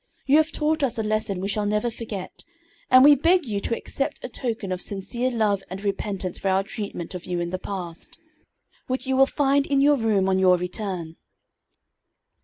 You have taught us a lesson we shall never forget, and we beg you to accept a token of sincere love and repentance for our treatment of you in the past, which you will find in your room on your return."